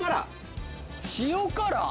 塩辛。